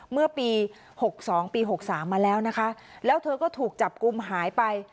เมื่อปีหกสองปี๖๓มาแล้วนะคะแล้วเธอก็ถูกจับกลุ่มหายไป